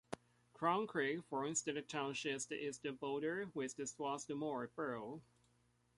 Crum Creek forms the township's eastern border with Swarthmore Borough.